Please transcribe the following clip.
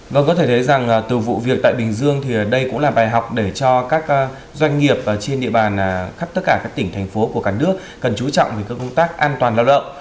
vâng có thể thấy rằng từ vụ việc tại bình dương thì đây cũng là bài học để cho các doanh nghiệp trên địa bàn khắp tất cả các tỉnh thành phố của cả nước cần chú trọng về công tác an toàn lao động